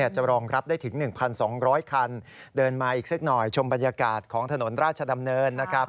จะรองรับได้ถึง๑๒๐๐คันเดินมาอีกสักหน่อยชมบรรยากาศของถนนราชดำเนินนะครับ